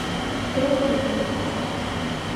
Todo polos libros.